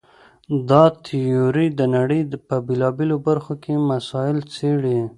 دا تیوري د نړۍ په بېلابېلو برخو کې مسایل څېړي.